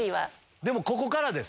でもここからです。